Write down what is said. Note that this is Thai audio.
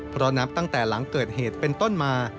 เพราะนับตั้งแต่หลังเกิดเหตุเป็นต้นมา